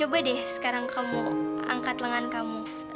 coba deh sekarang kamu angkat lengan kamu